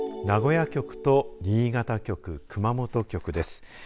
名古屋局と新潟局熊本局です。